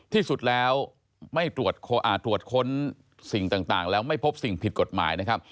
ที่สุดแล้วไม่ตรวจค้นสิ่งต่างแล้วไม่พบสิ่งผิดกฎหมายนะครับ